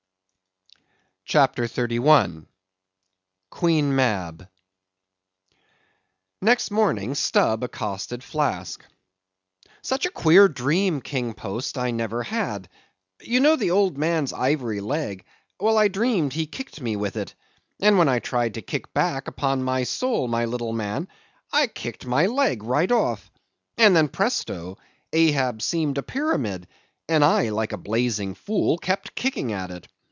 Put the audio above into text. CHAPTER 31. Queen Mab. Next morning Stubb accosted Flask. "Such a queer dream, King Post, I never had. You know the old man's ivory leg, well I dreamed he kicked me with it; and when I tried to kick back, upon my soul, my little man, I kicked my leg right off! And then, presto! Ahab seemed a pyramid, and I, like a blazing fool, kept kicking at it.